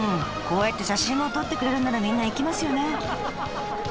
こうやって写真も撮ってくれるんならみんな行きますよね。